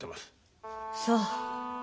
そう。